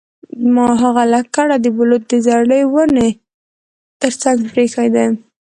ما هغه لکړه د بلوط د زړې ونې ترڅنګ پریښې ده